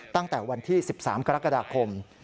ตั้งแต่วันที่๑๓กรกฎาคม